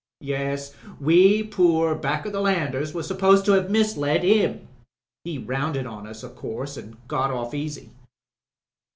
Yes, we poor back to the landers was supposed to 'ave misled himi He rounded on us, o' course, an' got off easy."